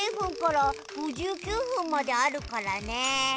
０分から５９分まであるからね。